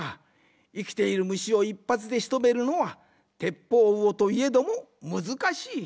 いきているむしをいっぱつでしとめるのはテッポウウオといえどもむずかしい。